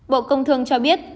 bộ công thương cho biết